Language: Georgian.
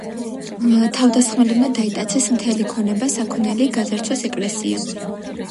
თავდამსხმელებმა დაიტაცეს მთელი ქონება, საქონელი, გაძარცვეს ეკლესია.